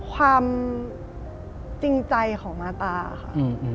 ความจริงใจของมาตาค่ะ